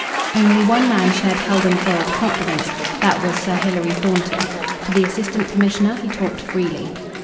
Only one man shared Heldon Foyle's confidence. That was Sir Hilary Thornton. To the Assistant Commissioner he talked freely.